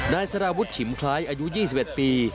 นายสารวุฒิฉิมคล้ายอายุ๒๑ปี